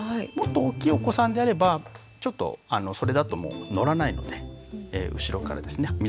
もっと大きいお子さんであればちょっとそれだともう乗らないので後ろからですね